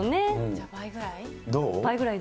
じゃあ倍ぐらい？